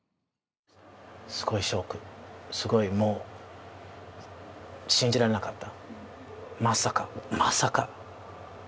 すごいショック、すごいもう信じられなかった。